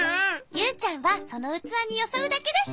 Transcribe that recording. ユウちゃんはそのうつわによそうだけだし。